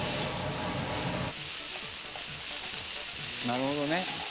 なるほどね